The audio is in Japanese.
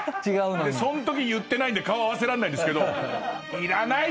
そんとき言ってないんで顔合わせらんないんですけど。